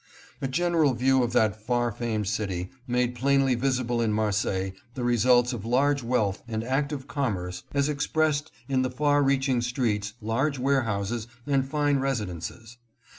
A general view of that far famed city made plainly visible in Marseilles the results of large wealth and active commerce as expressed in the far reaching streets, large warehouses, and fine residences.